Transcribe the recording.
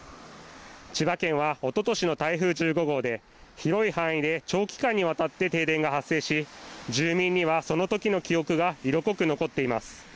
千葉県はおととしの台風１５号で広い範囲で長期間にわたって停電が発生し、住民にはそのときの記憶が色濃く残っています。